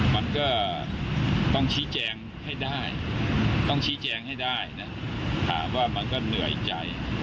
มันก็ต้องชี้แจงให้ได้ต้องชี้แจงให้ได้นะถามว่ามันก็เหนื่อยใจ